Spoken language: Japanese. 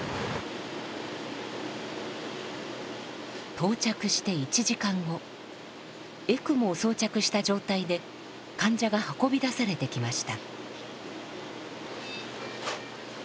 到着して１時間後エクモを装着した状態で患者が運び出されてきました。